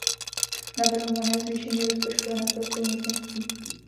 Navrhované zvýšení rozpočtu je naprostou nutností.